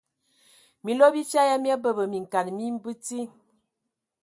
Minlo bifia ya mia nambə minkana mi bəti.